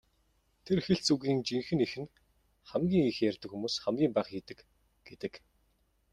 Тэр хэлц үгийн жинхэнэ эх нь "хамгийн их ярьдаг хүмүүс хамгийн бага хийдэг" гэдэг.